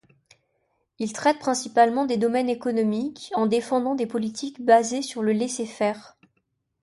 Il traite principalement des domaines économiques en défendant des politiques basées sur le laissez-faire.